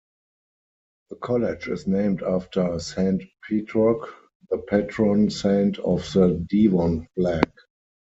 The college is named after Saint Petroc, the patron saint of the Devon flag.